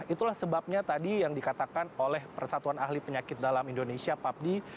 itulah sebabnya tadi yang dikatakan oleh persatuan ahli penyakit dalam indonesia papdi